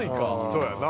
そうやな。